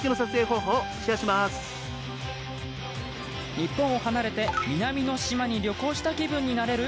日本を離れて南の島に旅行した気分になれる？